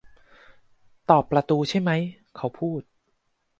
'ตอบประตูใช่มั้ย' เขาพูด